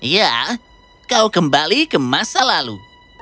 ya kau kembali ke masa lalu